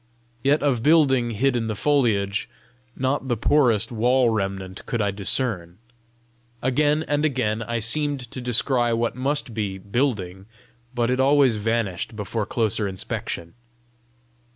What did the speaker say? Yet of building hid in the foliage, not the poorest wall remnant could I discern. Again and again I seemed to descry what must be building, but it always vanished before closer inspection.